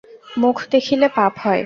মুখ দেখিলে পাপ হয়!